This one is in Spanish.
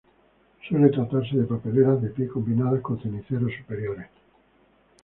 Suele tratarse de papeleras de pie combinadas con ceniceros superiores.